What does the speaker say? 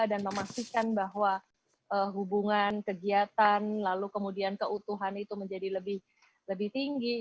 dan memastikan bahwa hubungan kegiatan keutuhan itu menjadi lebih tinggi